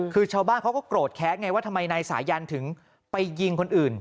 คือชาวบ้านเขาก็โกรธแค้นไงว่าทำไมนายสายันถึงไปยิงคนอื่น